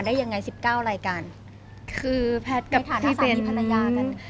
ได้ยังไงสิบเก้ารายการคือแพทย์กับที่เป็นในฐานะสามีภรรยากัน